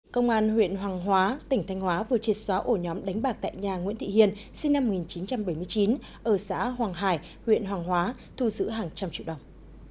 công an huyện hoàng hóa tỉnh thanh hóa vừa triệt xóa ổ nhóm đánh bạc tại nhà nguyễn thị hiền sinh năm một nghìn chín trăm bảy mươi chín ở xã hoàng hải huyện hoàng hóa thu giữ hàng trăm triệu đồng